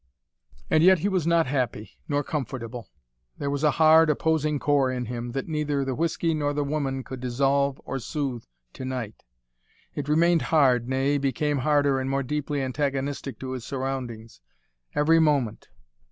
And yet he was not happy nor comfortable. There was a hard, opposing core in him, that neither the whiskey nor the woman could dissolve or soothe, tonight. It remained hard, nay, became harder and more deeply antagonistic to his surroundings, every moment.